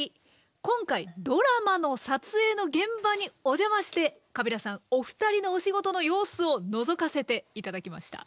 今回ドラマの撮影の現場にお邪魔してカビラさんお二人のお仕事の様子をのぞかせて頂きました。